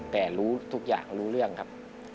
แต่รู้ทุกอย่างรู้เรื่องครับ